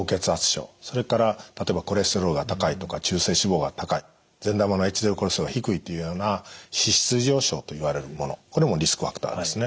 それから例えばコレステロールが高いとか中性脂肪が高い善玉のＨＤＬコレステロールが低いというような脂質異常症といわれるものこれもリスクファクターですね。